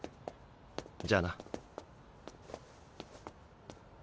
じゃあな。